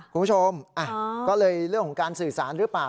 คุณผู้ชมก็เลยเรื่องของการสื่อสารหรือเปล่า